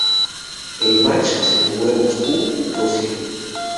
El "match" se jugó en Moscú, Rusia.